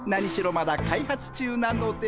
まだ開発中なので。